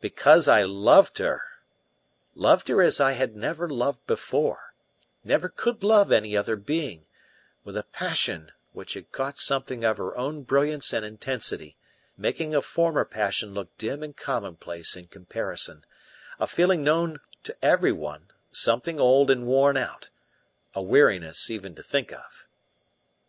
BECAUSE I LOVED HER; loved her as I had never loved before, never could love any other being, with a passion which had caught something of her own brilliance and intensity, making a former passion look dim and commonplace in comparison a feeling known to everyone, something old and worn out, a weariness even to think of.